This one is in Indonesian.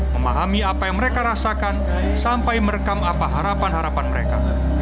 memahami apa yang mereka rasakan sampai merekam apa harapan harapan mereka